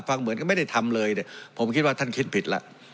เหมือนก็ไม่ได้ทำเลยเนี่ยผมคิดว่าท่านคิดผิดแล้ว